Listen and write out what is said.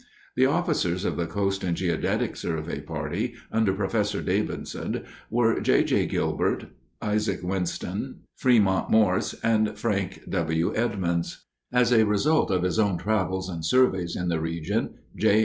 The officers of the Coast and Geodetic Survey party under Professor Davidson were J. J. Gilbert, Isaac Winston, Fremont Morse, and Frank W. Edmonds. As a result of his own travels and surveys in the region, J.